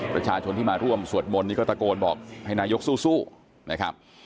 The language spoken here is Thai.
ประชาชนที่มาร่วมสวดมนต์นี่ก็ตะโกนบอกให้นายกสู้นะครับ